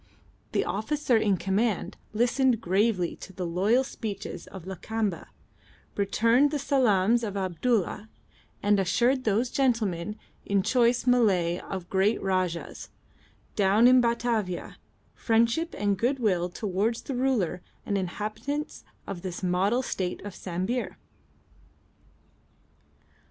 The officer in command listened gravely to the loyal speeches of Lakamba, returned the salaams of Abdulla, and assured those gentlemen in choice Malay of the great Rajah's down in Batavia friendship and goodwill towards the ruler and inhabitants of this model state of Sambir.